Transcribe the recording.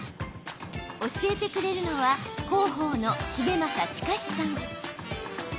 教えてくれるのは、広報の重政周之さん。